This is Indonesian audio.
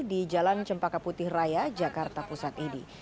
di jalan cempaka putih raya jakarta pusat ini